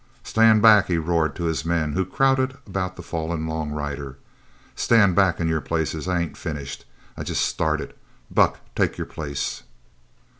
"Stand back!" he roared to his men, who crowded about the fallen long rider. "Stand back in your places. I ain't finished. I'm jest started. Buck, take your place!"